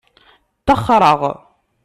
Ttaxreɣ.